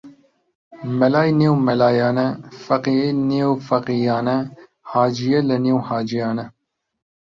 مەلای نێو مەلایانە فەقێی نێو فەقێیانە حاجیە لە نێو حاجیانە